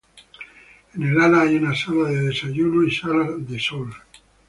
En el ala hay una sala de desayunos y sala de sol.